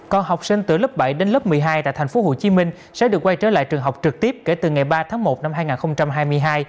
còn học sinh từ lớp bảy đến lớp một mươi hai tại thành phố hồ chí minh sẽ được quay trở lại trường học trực tiếp kể từ ngày ba tháng một năm hai nghìn hai mươi hai